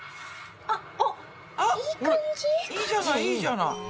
いいじゃないいいじゃない。